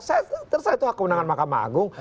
saya terserah itu kemenangan makam agung